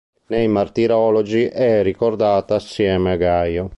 Nei martirologi è ricordato assieme a Gaio.